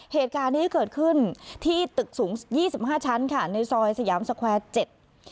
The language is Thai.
เหตุการณ์นี้เกิดขึ้นที่ตึกสูงยี่สิบห้าชั้นค่ะในซอยสยามสแควร์เจ็ด